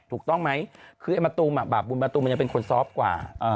ถูกต้องไหมคือไอ้มะตูมบาปบุญมะตูมมันยังเป็นคนซอฟต์กว่า